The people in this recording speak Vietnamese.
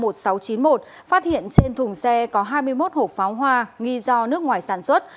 t sáu mươi ba trăm một mươi sáu chín mươi một phát hiện trên thùng xe có hai mươi một hộp pháo hoa nghi do nước ngoài sản xuất